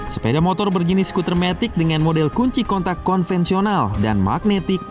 sepeda motor berjenis skuter metik dengan model kunci kontak konvensional dan magnetik